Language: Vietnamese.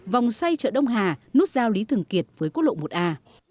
vòng xoay chợ đông hà nút giao lý thường kiệt với quốc lộ một a